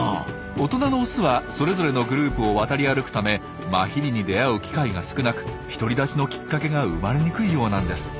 大人のオスはそれぞれのグループを渡り歩くためマヒリに出会う機会が少なく独り立ちのきっかけが生まれにくいようなんです。